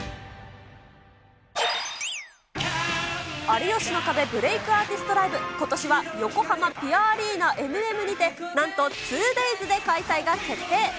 有吉の壁ブレイクアーティストライブ、ことしは横浜ぴあアリーナＭＭにて、なんと２デイズで開催が決定。